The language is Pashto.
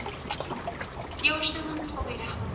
هغوی د دوکتور چنګیز پهلوان په نوم خپل استازی مسعود